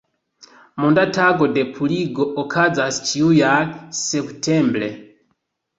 Monda Tago de Purigo okazas ĉiujare septembre.